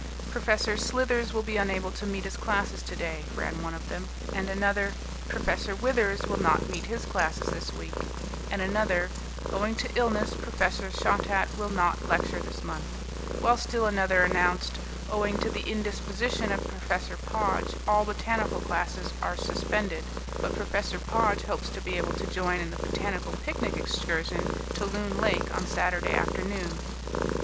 "Professor Slithers will be unable to meet his classes today," ran one of them, and another "Professor Withers will not meet his classes this week," and another, "Owing to illness, Professor Shottat will not lecture this month," while still another announced, "Owing to the indisposition of Professor Podge, all botanical classes are suspended, but Professor Podge hopes to be able to join in the Botanical Picnic Excursion to Loon Lake on Saturday afternoon."